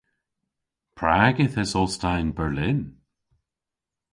Prag yth esos ta yn Berlin?